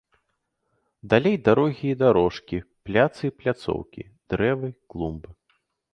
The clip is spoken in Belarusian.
Далей дарогі і дарожкі, пляцы і пляцоўкі, дрэвы, клумбы.